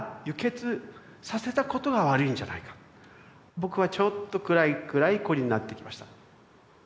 僕はちょっと暗い暗い子になっていきました。